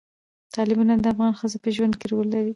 تالابونه د افغان ښځو په ژوند کې رول لري.